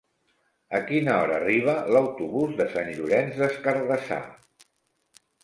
A quina hora arriba l'autobús de Sant Llorenç des Cardassar?